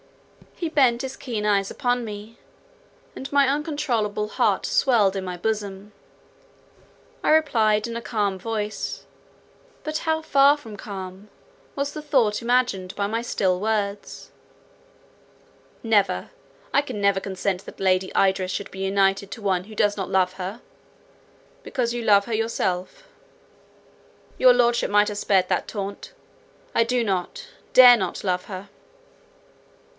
He bent his keen eyes upon me, and my uncontrollable heart swelled in my bosom. I replied in a calm voice—but how far from calm was the thought imaged by my still words—"Never! I can never consent that Lady Idris should be united to one who does not love her." "Because you love her yourself." "Your Lordship might have spared that taunt; I do not, dare not love her."